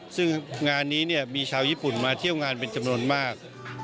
ซึ่งงานนี้มีชาวญี่ปุ่นมาเที่ยวงานเป็นจำนวนมาก